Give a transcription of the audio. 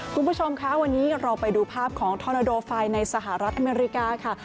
คุณผู้ชมคะวันนี้เราไปดูภาพของทอนาโดไฟในสหรัฐอเมริกาค่ะ